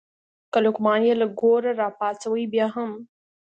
که لقمان یې له ګوره راپاڅوې بیا هم.